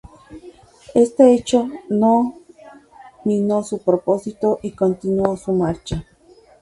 Este hecho no minó su propósito y continuó su marcha.